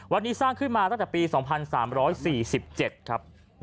วันนี้สร้างขึ้นมาตั้งแต่ปี๒๓๔๗ครับ